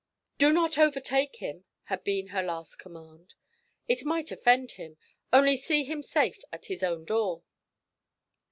'Do not overtake him,' had been her last command. 'It might offend him. Only see him safe at his own door.'